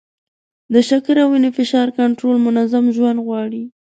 د شکر او وینې فشار کنټرول منظم ژوند غواړي.